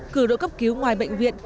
cử đội cấp cứu ngoài bệnh viện